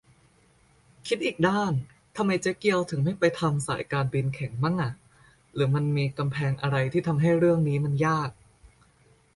คิดอีกด้าน ทำไมเจ๊เกียวถึงไม่ไปทำสายการบินแข่งมั่งอ่ะ หรือมันมีกำแพงอะไรที่ทำให้เรื่องนี้มันยาก ?